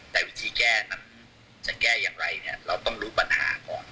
แต่วิธีแก้นั้นจะแก้อย่างไรเนี่ยเราต้องรู้ปัญหาก่อน